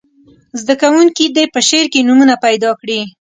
زده کوونکي دې په شعر کې نومونه پیداکړي.